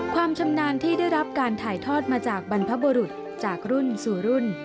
ความชำนาญที่ได้รับการถ่ายทอดมาจากบรรพบุรุษจากรุ่นสู่รุ่น